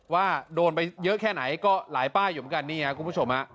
ว่าโดนไปเยอะแค่ไหนก็หลายป้ายอยู่เหมือนกันนี่ครับคุณผู้ชมฮะ